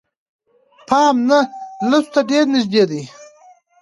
پام نهه لسو ته ډېر نژدې دي.